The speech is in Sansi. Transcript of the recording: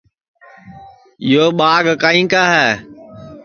یو ٻاگ کائیں کا ہے